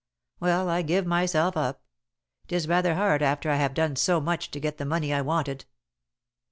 Well, I give myself up. It is rather hard after I have done so much to get the money I wanted."